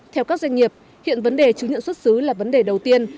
theo các doanh nghiệp hiện vấn đề chứng nhận xuất xứ là vấn đề đầu tiên